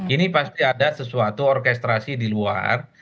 ini pasti ada sesuatu orkestrasi di luar